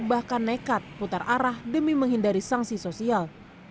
bahkan nekat putar arah demi menghindari sanksi sosial